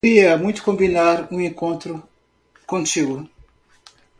Queria muito combinar um encontro contigo.